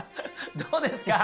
どうですか？